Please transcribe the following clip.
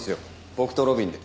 僕と路敏で。